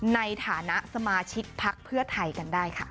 ในฐานะสมาชิกพักเพื่อไทยกันได้ค่ะ